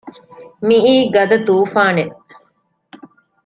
މިއީ ގަދަ ތޫފާނެއް